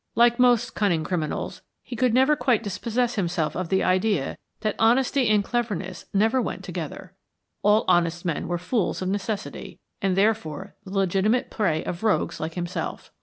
Like most cunning criminals he could never quite dispossess himself of the idea that honesty and cleverness never went together. All honest men were fools of necessity, and therefore the legitimate prey of rogues like himself.